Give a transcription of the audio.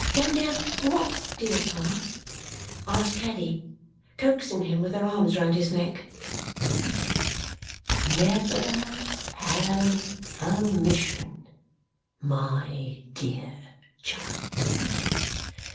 Don't have what, dear Pa?" asked Caddy, coaxing him, with her arms round his neck. "Never have a mission, my dear child."